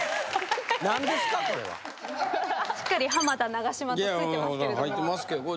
何ですか？